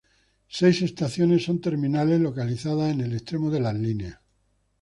Seis estaciones son terminales, localizadas en el extremo de las líneas.